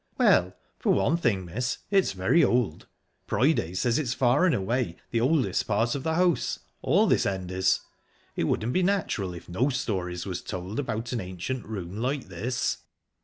"Well, for one thing, miss, it's very old. Priday says it's far and away the oldest part of the house all this end is. It wouldn't be natural if no stories was told about an ancient room like this."